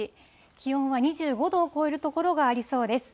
気温は２５度を超える所がありそうです。